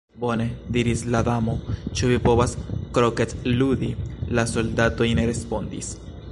"Bone," diris la Damo. "Ĉu vi povas kroketludi?" La soldatoj ne respondis.